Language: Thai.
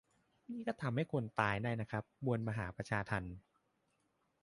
นี่ก็ทำให้คนตายได้นะครับ มวลมหาประชาทัณฑ์